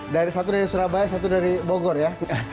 dari satu dari surabaya satu dari bogor ya